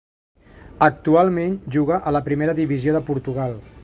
Actualment juga a la Primera Divisió de Portugal.